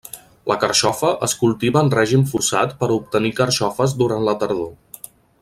La carxofa es cultiva en règim forçat per a obtenir carxofes durant la tardor.